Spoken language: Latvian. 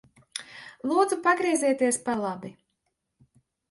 Lūdzu pagriezieties pa labi.